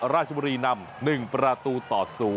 ราชบุรีนำ๑ประตูต่อ๐